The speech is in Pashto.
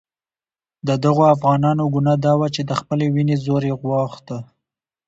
د دغو افغانانو ګناه دا وه چې د خپلې وینې زور یې غوښت.